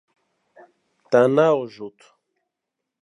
Te neajot.